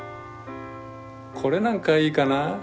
これなんかいいかな。